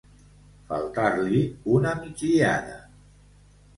Faltar-li una migdiada.